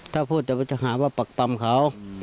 ถ้าพูดจะผ่านว่าปรับปรับเขา